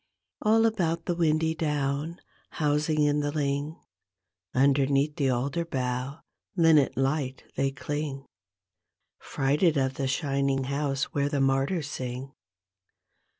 All about the windy down, housing in the ling, Underneath the alder bough linnet light they cling. Fluted of the shining house where the martyrs sing.